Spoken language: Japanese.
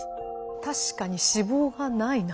確かに脂肪がないな。